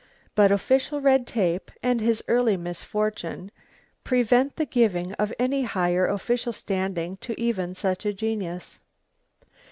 But official red tape, and his early misfortune... prevent the giving of any higher official standing to even such a genius.